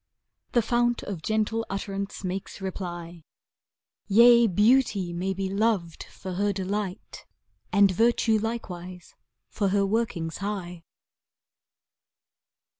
The fount of gentle utterance makes reply, " Yea, Beauty may be loved for her delight. And Virtue likewise for her workings high."